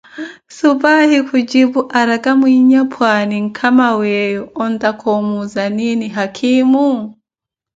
Suphayi kujipu araka, mwinya pwaani nkama weeyo ontaka omuuza nini haakhimo?